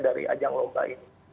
dari ajang lomba ini